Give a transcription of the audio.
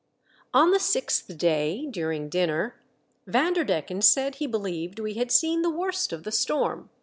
On the sixth day, during dinner, Vander decken said he believed we had seen the worst of the storm.